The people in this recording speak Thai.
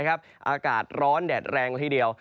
อากาศร้อนแดดแรงละทีเดียว